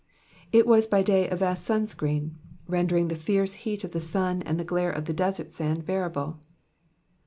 It was by day a vast sun screen, rendering the fierce heat of the sun and the glare of the desert sand bearable.